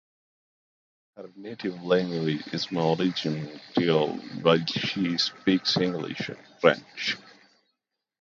Her native language is Mauritian Creole, while she speaks English and French.